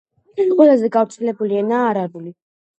ყველაზე გავრცელებული ენაა არაბული.